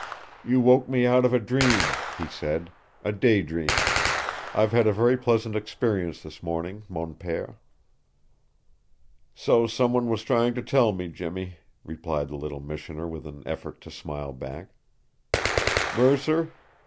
"You woke me out of a dream," he said, "a day dream. I've had a very pleasant experience this morning, mon pere." "So some one was trying to tell me, Jimmy," replied the little missioner with an effort to smile back. "Mercer?"